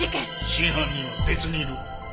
真犯人は別にいる。